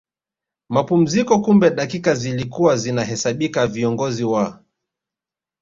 mapumziko Kumbe dakika zilikuwa zinahesabika viongozi wa